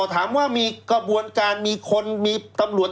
ถามว่ามีกระบวนการมีคนมีตำรวจ